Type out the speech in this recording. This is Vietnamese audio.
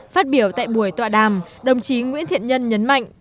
phát biểu tại buổi tọa đàm đồng chí nguyễn thiện nhân nhấn mạnh